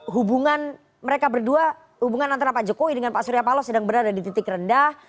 hubungan mereka berdua hubungan antara pak jokowi dengan pak surya paloh sedang berada di titik rendah